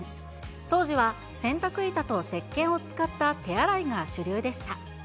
当時は洗濯板とせっけんを使った手洗いが主流でした。